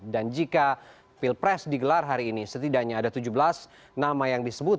dan jika pilpres digelar hari ini setidaknya ada tujuh belas nama yang disebut